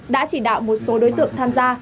đã chỉ đạo một số đối tượng tham gia